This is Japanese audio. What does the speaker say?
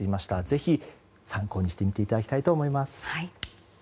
ぜひ、参考にしてみていただきたいと思います。